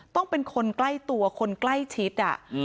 ต้องเป็นคนใกล้ตัวคนใกล้ชิด